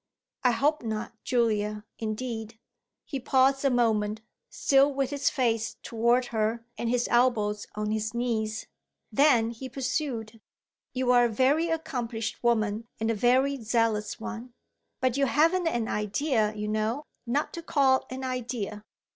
"I hope not, Julia, indeed!" He paused a moment, still with his face toward her and his elbows on his knees; then he pursued: "You're a very accomplished woman and a very zealous one; but you haven't an idea, you know not to call an idea.